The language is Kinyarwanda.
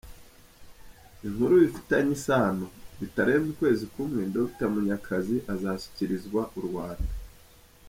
Inkuru bifitanye isano: Bitarenze ukwezi kumwe Dr Munyakazi azashyikirizwa u Rwanda.